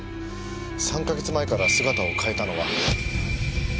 ３カ月前から姿を変えたのは。